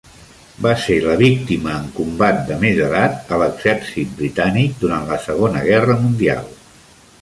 Va ser la víctima en combat de més edat a l'exèrcit britànic durant la Segona Guerra Mundial.